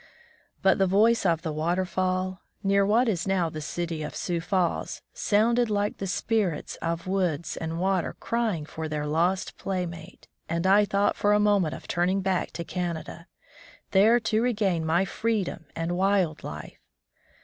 But the voice of the waterfall, near what is now the city of Sioux Falls, soimded like the spirits of woods and water crying for their lost playmate, and I thought for a moment of turning back to Canada, there to regain my freedom and wild life.